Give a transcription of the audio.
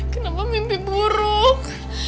kenapa mimpi buruk